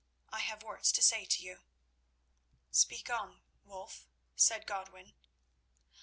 I have words to say to you." "Speak on, Wulf," said Godwin.